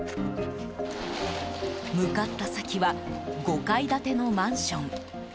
向かった先は５階建てのマンション。